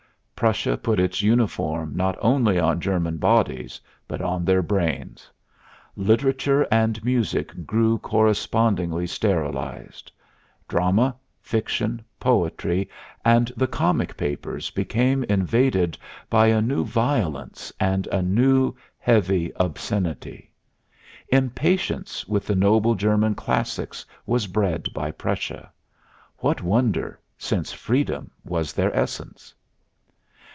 Prussia put its uniform not only on German bodies but on their brains. Literature and music grew correspondingly sterilized. Drama, fiction, poetry and the comic papers became invaded by a new violence and a new, heavy obscenity. Impatience with the noble German classics was bred by Prussia. What wonder, since freedom was their essence?